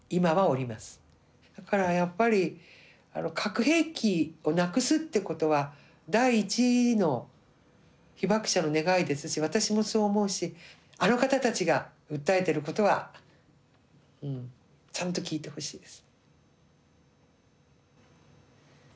だからやっぱり核兵器をなくすってことは第一の被爆者の願いですし私もそう思うしあの方たちが訴えてることはちゃんと聞いてほしいです。